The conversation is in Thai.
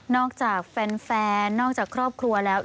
จากแฟนนอกจากครอบครัวแล้ว